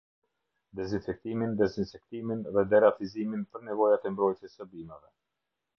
Dezinfektimin, dezinsektimin dhe deratizimin për nevojat e mbrojtjes së bimëve.